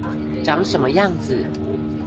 長什麼樣子